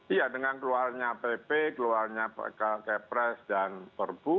iya dengan keluarnya pp keluarnya kepres dan perbu